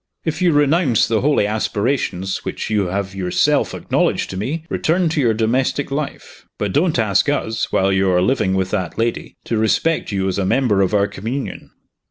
"If you renounce the holy aspirations which you have yourself acknowledged to me, return to your domestic life. But don't ask us, while you are living with that lady, to respect you as a member of our communion."